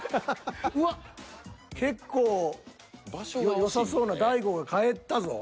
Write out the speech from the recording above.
うわっ結構よさそうな大悟が変えたぞ。